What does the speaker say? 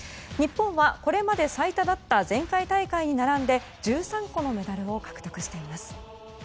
日本はこれまで最多だった前回大会に並んで１３個のメダルを獲得しています。